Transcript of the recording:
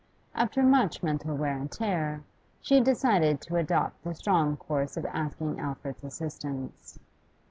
After much mental wear and tear, she decided to adopt the strong course of asking Alfred's assistance.